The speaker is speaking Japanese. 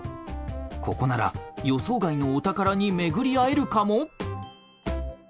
ここなら予想外のお宝に巡り合えるかも！？